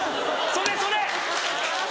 それそれ！